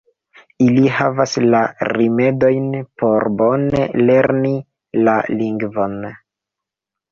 Ili havas la rimedojn por bone lerni la lingvon.